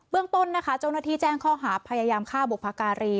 เรื่องต้นนะคะเจ้าหน้าที่แจ้งข้อหาพยายามฆ่าบุพการี